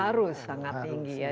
harus sangat tinggi ya